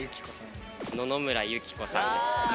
野々村友紀子さん。